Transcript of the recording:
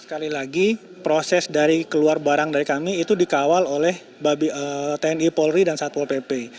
sekali lagi proses dari keluar barang dari kami itu dikawal oleh tni polri dan satpol pp